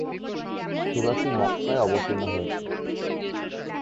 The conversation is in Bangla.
সূরাটি মক্কায় অবতীর্ণ হয়েছে।